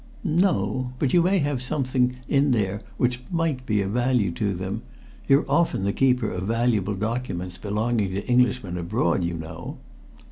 "No. But you may have something in there which might be of value to them. You're often the keeper of valuable documents belonging to Englishmen abroad, you know."